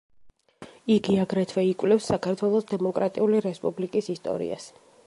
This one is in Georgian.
იგი აგრეთვე იკვლევს საქართველოს დემოკრატიული რესპუბლიკის ისტორიას.